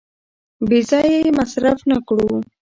بې ځایه یې مصرف نه کړو.